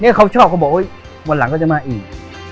เนี่ยเขาชอบเขาบอกว่าเฮ้ยวันหลังก็จะมาอีก